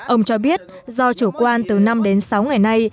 ông cho biết do chủ quan từ năm đến sáu ngày nay